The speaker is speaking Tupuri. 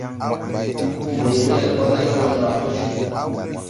Weere lɛkɔl lɛd wɔ naa gusi.